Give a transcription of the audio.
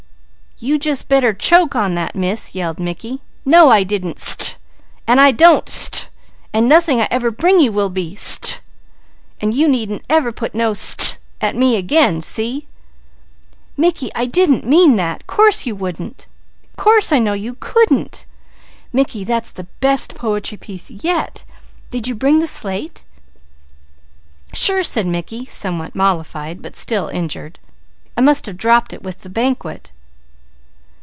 "You just better choke on that, Miss!" yelled Mickey. "No I didn't st ! And I don't st ! And nothing I ever bring you will be st ! And you needn't ever put no more st's at me. See?" "Mickey, I didn't mean that! Course I know you wouldn't! Course I know you couldn't! Mickey, that's the best poetry piece yet! Did you bring the slate?" "Sure!" said Mickey, somewhat mollified, but still injured. "I must have dropped it with the banquet!"